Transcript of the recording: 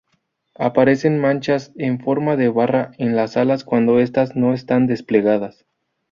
Aparecen manchas en forma de barra en las alas cuando estas no están desplegadas.